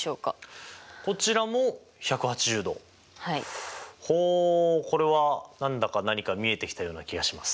ほうこれは何だか何か見えてきたような気がします。